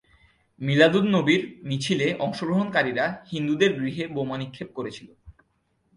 মিলাদ-উল-নবীর মিছিলে অংশগ্রহণকারীরা হিন্দুদের গৃহে বোমা নিক্ষেপ করেছিল।